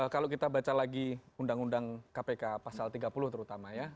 kalau kita baca lagi undang undang kpk pasal tiga puluh terutama ya